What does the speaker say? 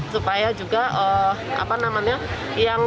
supaya juga apa namanya